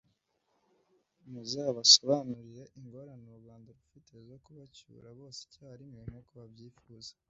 muzabasobanurire ingorane u rwanda rufite zo kubacyura bose icyarimwe nkuko babyifuza!